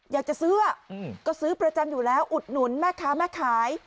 อยากจะซื้อก็ซื้อประจำอยู่แล้วอุดหนุนแม่ค้าแม่ขาย